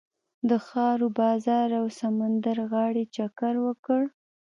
د ښار و بازار او سمندر غاړې چکر وکړ.